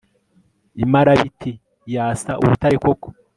imarabiti yasa urutare koko